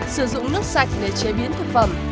sử dụng nước sạch để chế biến thực phẩm